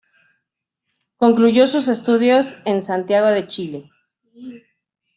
Concluyó sus estudios en Santiago de Chile.